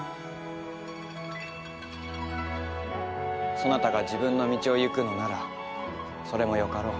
そなたが自分の道を行くのならそれもよかろう。